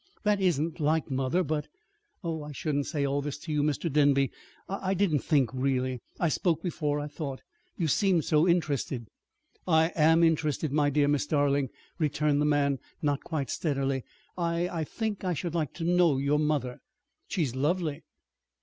That isn't like mother, but Oh, I shouldn't say all this to you, Mr. Denby. I I didn't think, really. I spoke before I thought. You seemed so interested." "I am interested, my dear Miss Darling," returned the man, not quite steadily. "I I think I should like to know your mother." "She's lovely."